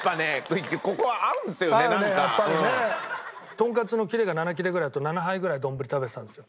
トンカツの切れが７切れぐらいだと７杯ぐらい丼食べてたんですよ。